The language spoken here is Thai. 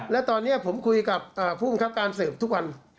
และตอนนี้ผมคุยกับผู้บังคับการสืบทุกวัน